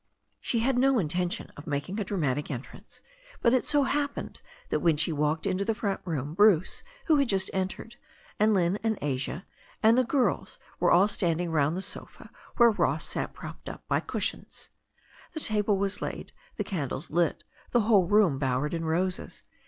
She had no intention of making a dramatic entrance, but it so happened that when she walked into the front room Bruce, who had just entered, and Lynne and Asla^ ^xwi tK^ «1 292 THE STORY OF A NEW ZEALAND RIVER girls were all standing round the sofa where Ross sat propped up by cushions. The table was laid, the candles lit, the whole room bowered in roses.